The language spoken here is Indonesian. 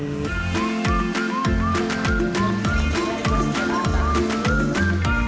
lelah berburu keramik saatnya saya mengisi perut